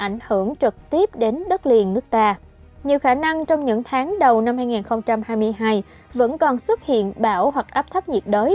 nhiều khả năng trong những tháng đầu năm hai nghìn hai mươi hai vẫn còn xuất hiện bão hoặc áp thấp nhiệt đới